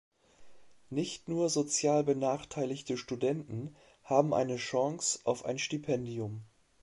Nicht nur sozial benachteiligte Studenten haben eine Chance auf ein Stipendium.